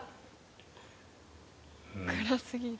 暗すぎる。